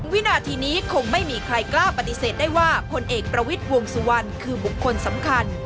วินาทีนี้คงไม่มีใครกล้าปฏิเสธได้ว่าพลเอกประวิทย์วงสุวรรณคือบุคคลสำคัญ